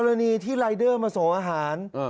กรณีที่รายเดอร์มาส่งอาหาร